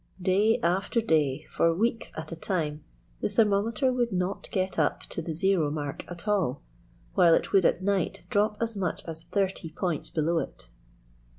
Day after day for weeks at a time the thermometer would not get up to the zero mark at all, while it would at night drop as much as thirty points below it.